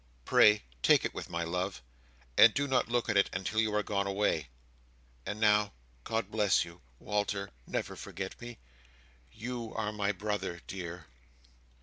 Pray take it with my love, and do not look at it until you are gone away. And now, God bless you, Walter! never forget me. You are my brother, dear!"